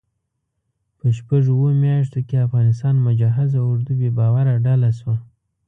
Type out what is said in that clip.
په شپږو اوو میاشتو کې افغانستان مجهز اردو بې باوره ډله شوه.